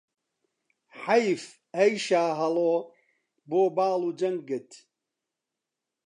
حەیف ئەی شاهەڵۆ بۆ باڵ و چەنگت